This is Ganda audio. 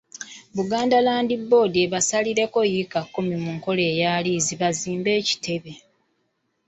Buganda Land Board ebasalireko yiika kkumi mu nkola eya liizi bazimbeko ekitebe.